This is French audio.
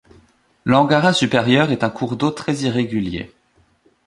L'Angara Supérieure est un cours d'eau très irrégulier.